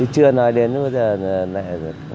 chưa nói đến bây giờ